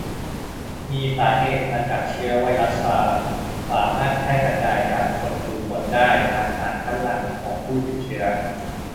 มีสาเหตุมาจากเชื้อไวรัสซาร์ส สามารถแพร่กระจายจากคนสู่คนได้ผ่านสารคัดหลั่งของผู้ติดเชื้อ